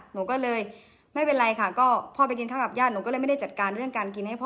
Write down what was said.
หนูก็เลยไม่เป็นไรค่ะก็พ่อไปกินข้าวกับญาติหนูก็เลยไม่ได้จัดการเรื่องการกินให้พ่อ